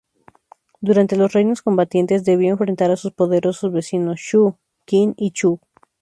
Durante los Reinos combatientes debió enfrentar a sus poderosos vecinos: Shu, Qin y Chu.